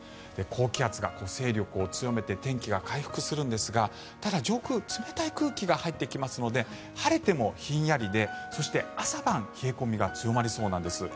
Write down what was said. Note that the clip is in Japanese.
高気圧が勢力を強めて天気が回復するんですがただ上空冷たい空気が入ってきますので晴れてもヒンヤリでそして朝晩冷え込みが強まりそうなんです。